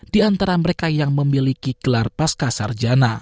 di antara mereka yang memiliki gelar pasca sarjana